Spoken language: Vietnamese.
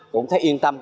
cũng thấy yên tâm